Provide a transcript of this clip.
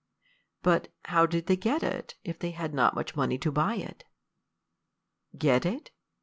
"But how did they get it, if they had not much money to buy it?" "Get it?